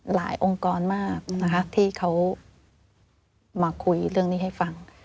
หลายองค์กรมากที่เขามาคุยเรื่องนี้ให้ฟัง